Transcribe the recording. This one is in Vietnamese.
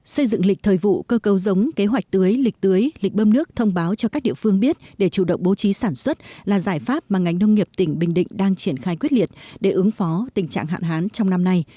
xây dựng lịch thời vụ cơ cầu giống kế hoạch tưới lịch tưới lịch bơm nước thông báo cho các địa phương biết để chủ động bố trí sản xuất là giải pháp mà ngành nông nghiệp tỉnh bình định đang triển khai quyết liệt để ứng phó tình trạng hạn hán trong năm nay